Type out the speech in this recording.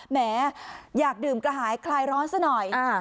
แหมอยากดื่มกระหายคลายร้อนซะหน่อย